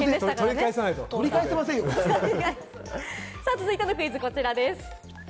続いてのクイズこちらです。